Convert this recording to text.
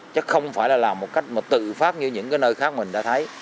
chắc không phải là làm một cách tự phát như những nơi khác mình đã thấy